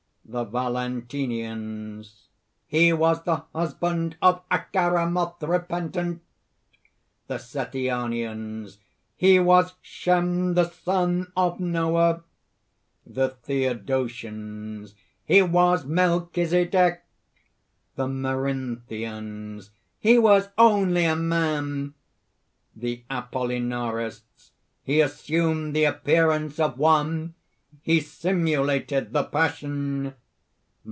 THE VALENTINIANS. "He was the husband of Acharamoth repentant!" THE SETHIANIANS. "He was Shem, the son of Noah!" THE THEODOTIANS. "He was Melchisedech!" THE MERINTHIANS. "He was only a man!" THE APOLLINARISTS. "He assumed the appearance of one! He simulated the Passion!"